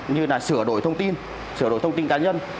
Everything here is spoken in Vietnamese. như là sửa đổi thông tin sửa đổi thông tin cá nhân